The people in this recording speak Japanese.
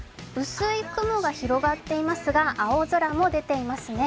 薄い雲が広がっていますが青空も出ていますね。